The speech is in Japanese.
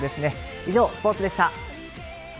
以上、スポーツでした。